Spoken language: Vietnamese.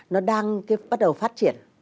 nó đang bắt đầu phát triển